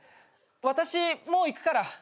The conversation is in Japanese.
私もう行くから。